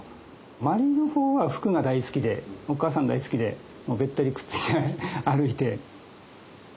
まりの方はふくが大好きでお母さん大好きでべったりくっついて歩いて。